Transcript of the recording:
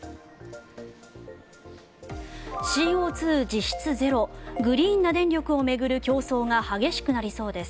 ＣＯ２実質ゼログリーンな電力を巡る競争が激しくなりそうです。